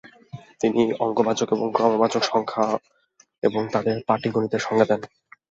তিনি অংকবাচক এবং ক্রমবাচক সংখ্যা এবং তাদের পাটীগণিতের সংজ্ঞা দেন।